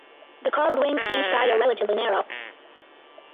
The carved wings to each side are relatively narrow.